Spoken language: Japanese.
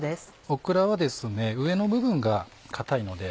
オクラは上の部分が硬いので。